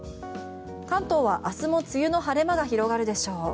関東は明日も梅雨の晴れ間が広がるでしょう。